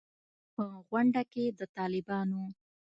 په غونډه کې د طالبانو